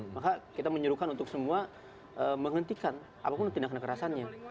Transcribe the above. maka kita menyuruhkan untuk semua menghentikan apapun tindakan kerasannya